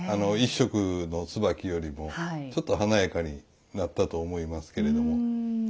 一色の椿よりもちょっと華やかになったと思いますけれども。